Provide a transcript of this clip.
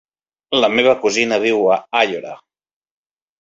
La meva cosina viu a Aiora.